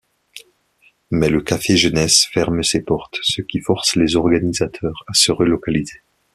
Mais le café-jeunesse ferme ses portes, ce qui force les organisateurs à se relocaliser.